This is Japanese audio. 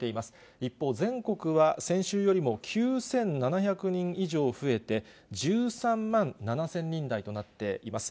一方、全国は先週よりも９７００人以上増えて１３万７０００人台となっています。